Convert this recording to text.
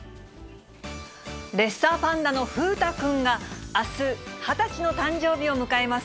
レッサーパンダの風太くんがあす、２０歳の誕生日を迎えます。